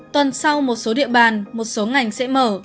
tuần sau một số địa bàn một số ngành sẽ mở